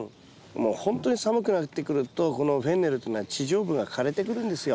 もうほんとに寒くなってくるとこのフェンネルっていうのは地上部が枯れてくるんですよ。